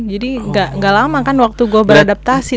jadi gak lama kan waktu gue beradaptasi